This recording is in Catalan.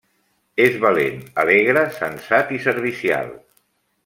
És valent, alegre, sensat i servicial.